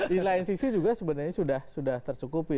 di lain sisi juga sebenarnya sudah tercukupi